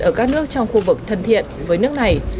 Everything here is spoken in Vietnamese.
ở các nước trong khu vực thân thiện với nước này